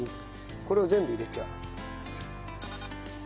これを全部入れちゃう？